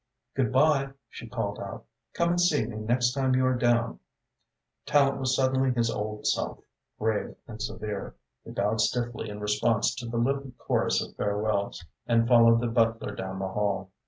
"Good by," she called out. "Come and see me next time you are down." Tallente was suddenly his old self, grave and severe. He bowed stiffly in response to the little chorus of farewells and followed the butler down the hall.